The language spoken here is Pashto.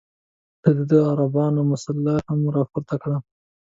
ده د عربانو مسله هم راپورته کړه.